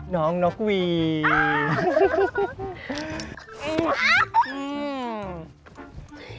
น้องนกวี